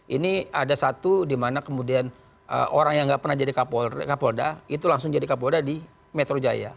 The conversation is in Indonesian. ini ada satu dimana kemudian orang yang nggak pernah jadi kapolda itu langsung jadi kapolda di metro jaya